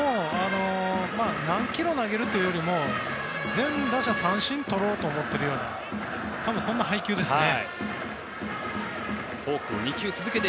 何キロ投げるというよりも全打者、三振とろうと思っているような多分、そんな配球ですね。